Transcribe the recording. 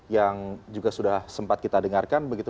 yang juga sudah sempat kita dengarkan begitu